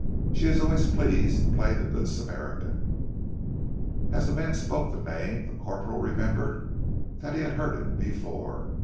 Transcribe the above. She is always pleased to play the Good Samaritan." As the man spoke the name, the corporal remembered that he had heard it before.